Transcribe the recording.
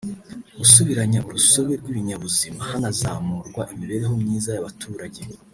gusubiranya urusobe rw’ibinyabuzima hanazamurwa imibereho myiza y’abaturage